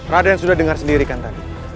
raden sudah dengar sendiri kan tadi